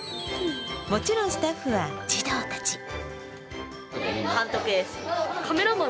もちろんスタッフは児童たち。